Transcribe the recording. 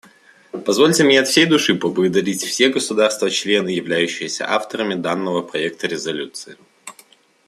Позвольте мне от всей души поблагодарить все государства-члены, являющиеся авторами данного проекта резолюции.